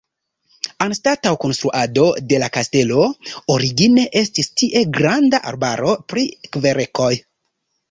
Antaŭ konstruado de la kastelo origine estis tie granda arbaro pri kverkoj.